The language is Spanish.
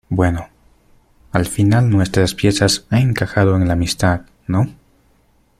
bueno, al final nuestras piezas han encajado en la amistad ,¿ no?